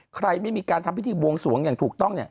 ไม่มีการทำพิธีบวงสวงอย่างถูกต้องเนี่ย